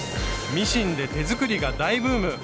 ミシンで手作りが大ブーム。